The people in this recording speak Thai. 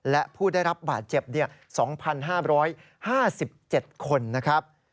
และผู้ได้รับบาดเจ็บ๒๕๕๗คนนะครับ